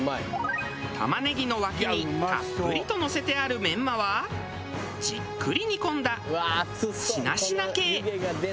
タマネギの脇にたっぷりとのせてあるメンマはじっくり煮込んだしなしな系。